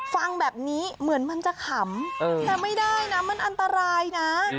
ฟังแบบนี้เหมือนมันจะขำแต่ไม่ได้นะมันอันตรายนะ